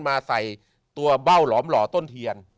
มาใส่ตัวเบ้าหลอมหล่อต้นเทียน